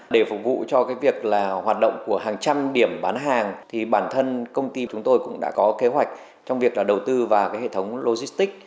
để phục vụ cho việc hoạt động của hàng trăm điểm bán hàng thì bản thân công ty chúng tôi cũng đã có kế hoạch trong việc đầu tư vào cái hệ thống logistic